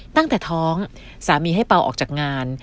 ตั้งแต่ท้องสามีให้เปล่าออกจากงาน